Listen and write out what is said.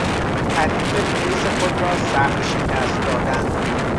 حریف تنیس خود را سخت شکست دادن